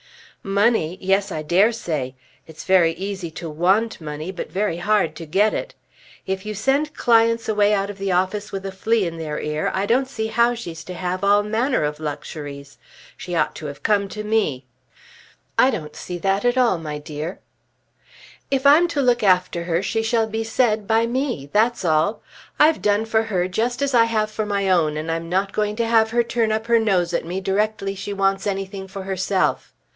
"Money! Yes, I dare say. It's very easy to want money but very hard to get it. If you send clients away out of the office with a flea in their ear I don't see how she's to have all manner of luxuries. She ought to have come to me." "I don't see that at all, my dear." "If I'm to look after her she shall be said by me; that's all. I've done for her just as I have for my own and I'm not going to have her turn up her nose at me directly she wants anything for herself.